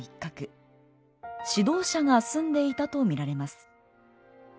指導者が住んでいたと見られます。